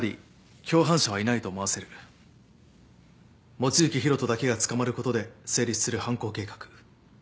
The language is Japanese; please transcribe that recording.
望月博人だけが捕まることで成立する犯行計画。